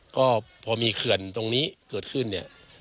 ก็พอมีเขื่อนตรงนี้เกิดขึ้นเนี่ย